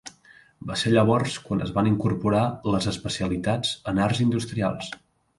Va ser llavors quan es van incorporar les especialitats en arts industrials.